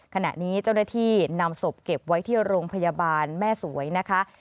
ขณะนี้เจ้าหน้าที่นำศพเก็บไว้ที่โรงพยาบาลแม่สวยนะคะ